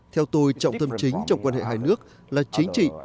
theo tôi trọng tâm chính trong quan hệ hai nước là chính trị